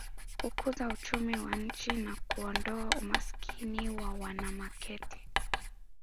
kukuza uchumi wa nchi na kuondoa umasikini wa wana Makete